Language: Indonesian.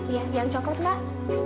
iya yang coklat mbak